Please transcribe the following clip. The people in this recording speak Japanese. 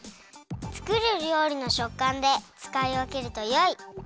つくるりょうりのしょっかんでつかいわけるとよい。